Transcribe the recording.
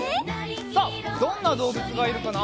さあどんなどうぶつがいるかな？